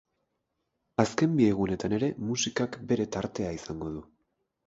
Azken bi egunetan ere musikak bere tartea izango du.